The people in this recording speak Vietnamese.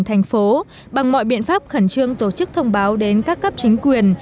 thành phố bằng mọi biện pháp khẩn trương tổ chức thông báo đến các cấp chính quyền